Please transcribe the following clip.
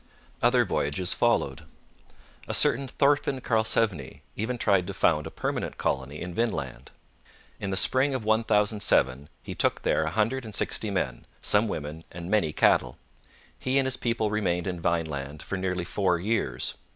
Other voyages followed. A certain Thorfinn Karlsevne even tried to found a permanent colony in Vineland. In the spring of 1007, he took there a hundred and sixty men, some women, and many cattle. He and his people remained in Vineland for nearly four years.